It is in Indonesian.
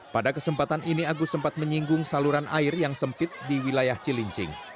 pada kesempatan ini agus sempat menyinggung saluran air yang sempit di wilayah cilincing